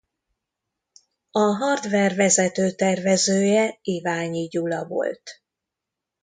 A hardver vezető tervezője Iványi Gyula volt.